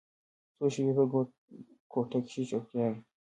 څو شېبې په کوټه کښې چوپتيا وه.